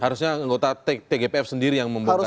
harusnya anggota tgpf sendiri yang membongkar itu